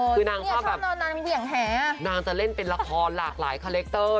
คือนางเข้าแบบนางจะเล่นเป็นละครหลากหลายคอเลคเตอร์